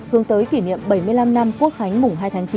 hướng tới kỷ niệm bảy mươi năm năm quốc khánh mùng hai tháng chín